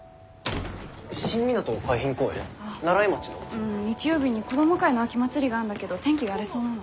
うん日曜日に子ども会の秋まつりがあんだけど天気が荒れそうなの。